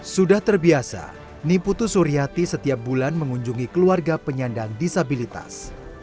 sudah terbiasa niputu suryati setiap bulan mengunjungi keluarga penyandang disabilitas